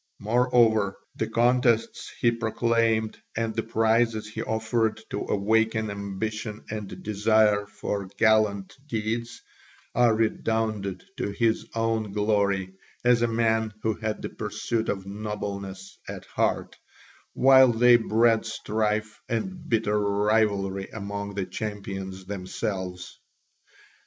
Moreover, the contests he proclaimed and the prizes he offered to awaken ambition and desire for gallant deeds all redounded to his own glory as a man who had the pursuit of nobleness at heart, while they bred strife and bitter rivalry among the champions themselves.